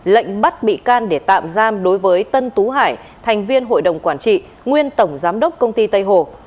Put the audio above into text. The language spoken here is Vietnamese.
lệnh bắt bị can để tạm giam đối với tân tú hải thành viên hội đồng quản trị nguyên tổng giám đốc công ty tây hồ